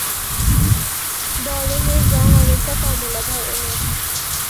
বরং এর রং অনেকটা কমলা ধরনের।